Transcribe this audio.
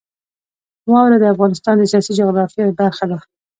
واوره د افغانستان د سیاسي جغرافیه برخه ده.